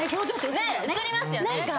うつりますよね。